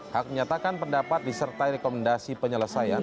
hak menyatakan pendapat disertai rekomendasi penyelesaian